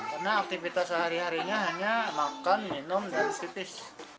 karena aktivitas sehari harinya hanya makan minum dan sipis